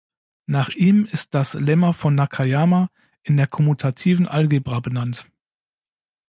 Nach ihm ist das Lemma von Nakayama in der kommutativen Algebra benannt.